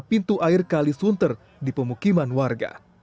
pintu air kalisunter di pemukiman warga